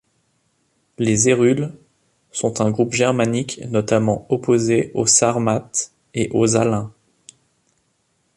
Les Hérules sont un groupe germanique notamment opposés aux Sarmates et aux Alains.